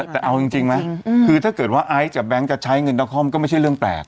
แต่เอาจริงไหมคือถ้าเกิดว่าไอ้เงินกับแบงค์จะใช้เงินตราคมก็ไม่ใช่เรื่องแปลก